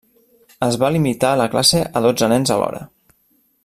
Es va limitar la classe a dotze nens alhora.